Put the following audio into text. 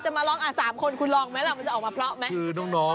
เชื่อสายรับแผนนี้